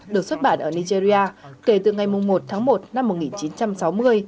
được xuất bản ở nigeria kể từ ngày một tháng một năm một nghìn chín trăm sáu mươi